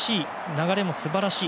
流れも素晴らしい。